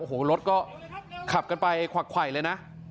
โอ้โหรถก็ขับกันไปขวักไขวเลยนะ